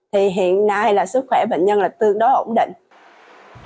thì hiện nay là sức khỏe bệnh nhân là tương đối ổn định